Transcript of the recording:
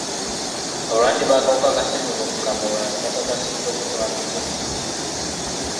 Abalwadde b'akawuka ka ssennyiga omukambwe abalala bakakasiddwa obutaba nako emirundi ebiri.